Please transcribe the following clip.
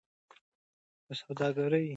په سوداګرۍ کې احساسات مه ګډوئ.